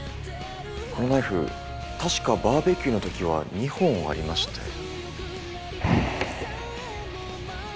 このナイフ確かバーベキューのときは２本ありましたよね？